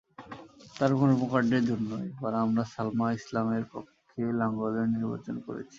তাঁর কর্মকাণ্ডের জন্য এবার আমরা সালমা ইসলামের পক্ষে লাঙ্গলের নির্বাচন করেছি।